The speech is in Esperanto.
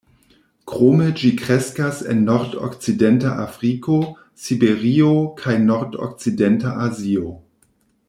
Krome ĝi kreskas en nordokcidenta Afriko, Siberio kaj nordokcidenta Azio.